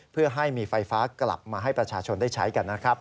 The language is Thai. เพื่อให้มีไฟฟ้ากลับมาให้ประชาชนได้ใช้กันนะครับ